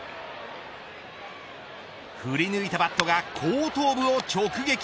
振り抜いたバットが後頭部を直撃。